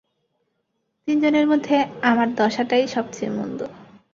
তিনজনের মধ্যে আমার দশাটাই সব চেয়ে মন্দ।